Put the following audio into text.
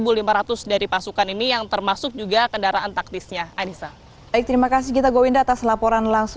jadi mungkin dari beberapa titik yang ada di lokasi ini mungkin juga ada yang berjaga dan seperti saya katakan tadi sudah ada dua puluh rekomendasi